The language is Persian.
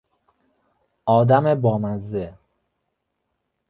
آدم بامزه